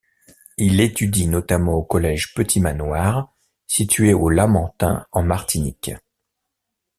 Il étudie notamment au collège Petit Manoir, situé au Lamentin en Martinique.